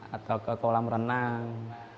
atau ke kolam renang